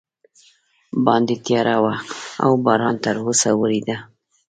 باندې تیاره وه او باران تراوسه ورېده.